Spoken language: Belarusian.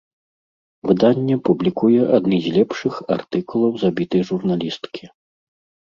Выданне публікуе адны з лепшых артыкулаў забітай журналісткі.